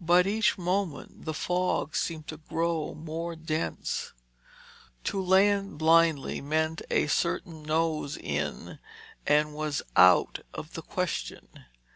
But each moment the fog seemed to grow more dense. To land blindly meant a certain nose in and was out of the question.